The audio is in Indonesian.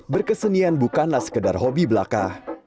berkesenian bukanlah sekedar hobi belaka